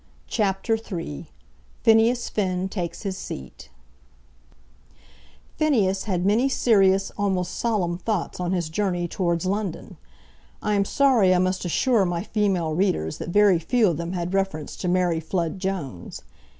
CHAPTER III Phineas Finn Takes His Seat Phineas had many serious, almost solemn thoughts on his journey towards London. I am sorry I must assure my female readers that very few of them had reference to Mary Flood Jones.